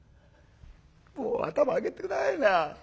もう頭上げて下さいな。